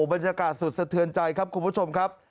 บรรยากาศสุดสะเทือนใจครับคุณผู้ชมครับ